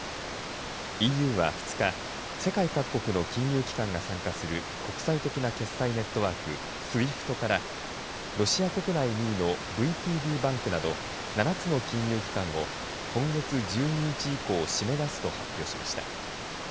ＥＵは２日世界各国の金融機関が参加する国際的な決済ネットワークＳＷＩＦＴからロシア国内２位のＶＴＢバンクなど７つの金融機関を今月１２日以降締め出すと発表しました。